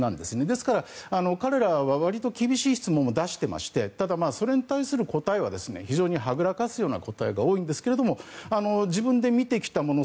ですから、彼らは割と厳しい質問も出していてただ、それに対する答えは非常にはぐらかすような答えが多いんですけれども自分で見てきたもの